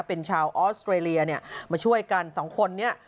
เป็นชาวออสเตรเลียเนี่ยมาช่วยกันสองคนนี้